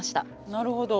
なるほど。